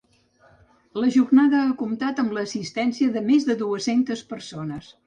La jornada ha comptat amb l’assistència de més de dues-centes persones.